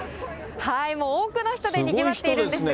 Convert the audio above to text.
多くの人でにぎわっているんですが。